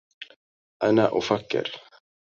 أنا أفكر